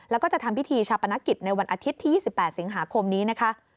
แล้วก็จะทำพิธีชาปนกิจในวันอาทิตย์ที่๒๘สิงหาคมนี้นะคะ